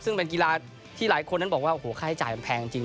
ซึ่งเป็นกีฬาที่หลายคนนั้นบอกว่าโอ้โหค่าใช้จ่ายมันแพงจริง